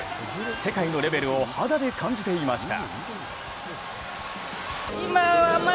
世界のレベルを肌で感じていました。